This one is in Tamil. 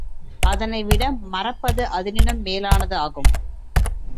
அதனைவிட மறப்பது அதனினும் மேலானது ஆகும்.